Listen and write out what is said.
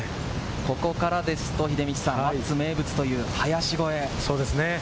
ここからですと、輪厚名物という林越え。